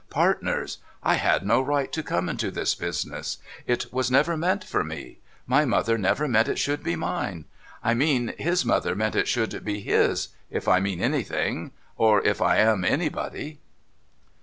' Partners ! I had no right to come into this business. It was never meant for me. My mother never meant it should be mine. I mean, his mother meant it should be his — if I mean anything — or if I am anybody.'